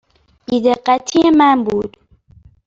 بی دقتی من بود.